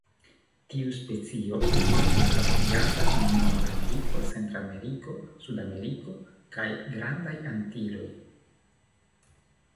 Tiu specio estas disvastigata en Nordameriko, Centrameriko, Sudameriko kaj Grandaj Antiloj.